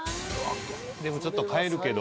でもちょっと変えるけど。